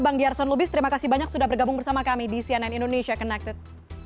bang jarson lubis terima kasih banyak sudah bergabung bersama kami di cnn indonesia connected